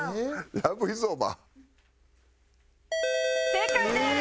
正解です！